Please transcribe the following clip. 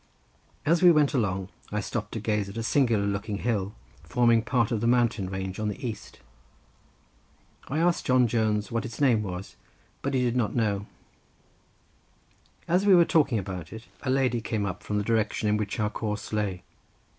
As we went along I stopped to gaze at a singular looking hill forming part of the mountain range on the east. I asked John Jones what its name was, but he did not know. As we were standing talking about it, a lady came up from the direction in which our course lay.